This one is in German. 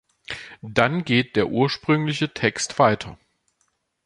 Dann geht der ursprüngliche Text weiter.